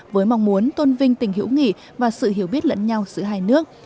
với mong muốn tôn vinh tình hữu nghị và sự hiểu biết lẫn nhau giữa hai nước